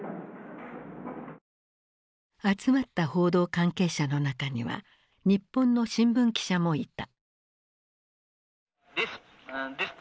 集まった報道関係者の中には日本の新聞記者もいた。